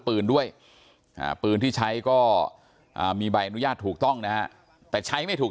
ปืนด้วยปืนที่ใช้ก็มีใบอนุญาตถูกต้องนะฮะแต่ใช้ไม่ถูก